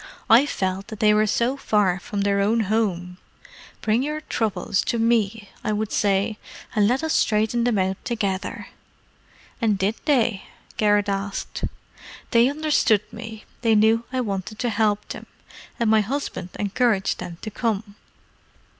I felt that they were so far from their own homes. 'Bring your troubles to me,' I would say, 'and let us straighten them out together.'" "And did they?" Garrett asked. "They understood me. They knew I wanted to help them. And my husband encouraged them to come."